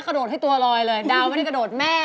กระโดดให้ตัวลอยเลยดาวไม่ได้กระโดดแม่